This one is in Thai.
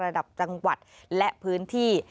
ระดับจังหวัดและพื้นที่